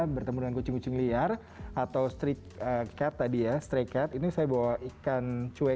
bertemu dengan kucing liar atau strik cat tadi ya strik cat ini saya bawa ikan cuek